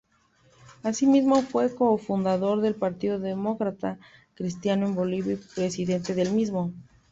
Así mismo, fue co-fundador del Partido Demócrata Cristiano en Bolivia y presidente del mismo.